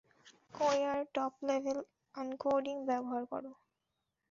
কাইযারের top level encoding ব্যবহার করো।